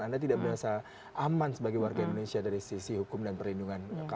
anda tidak merasa aman sebagai warga indonesia dari sisi hukum dan perlindungan keamanan